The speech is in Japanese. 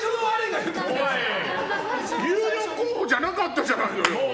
有力候補じゃなかったじゃない。